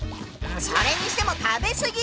それにしても食べ過ぎ！